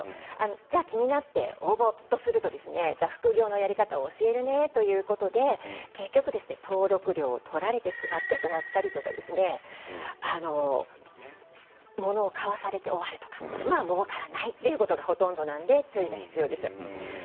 気になって応募すると副業のやり方を教えるねということで登録料を取られて終わったりとか物を買わされて終わりとかもうからないということがほとんどで注意が必要です。